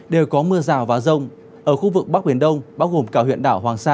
đều có mưa rào và rông ở khu vực bắc biển đông bao gồm cả huyện đảo hoàng sa